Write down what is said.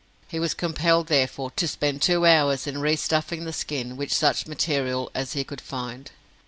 He was compelled, therefore, to spend two hours in re stuffing the skin with such material as he could find.